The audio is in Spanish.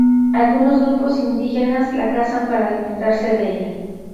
Algunos grupos indígenas la cazan para alimentarse de ella.